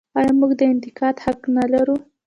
آیا موږ د انتقاد حق نلرو؟